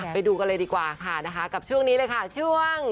ไปดูกันเลยดีกว่าค่ะนะคะกับช่วงนี้เลยค่ะช่วง